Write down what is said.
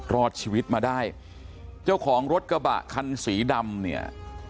รอดชีวิตมาได้เจ้าของรถกระบะคันสีดำเนี่ย